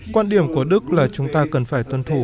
quan điểm của đức là chúng ta cần phải tuân thủ